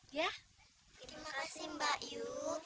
terima kasih mbak yu